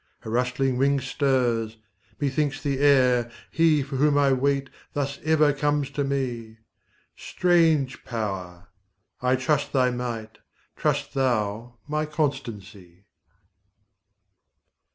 a rustling wing stirs, methinks, the air: He for whom I wait, thus ever comes to me; Strange Power! I trust thy might; trust thou my constancy.